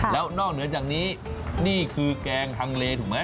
แล้วนอกเหนือจากนี้นี่คือแกงทางเลถูกไหม